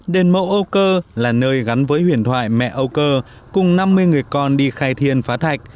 đền mẫu âu cơ là nơi gắn với huyền thoại mẹ âu cơ cùng năm mươi người con đi khai thiên phá thạch